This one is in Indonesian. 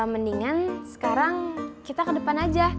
mendingan sekarang kita ke depan aja